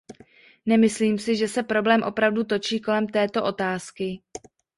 Nemyslím si, že se problém opravdu točí kolem této otázky.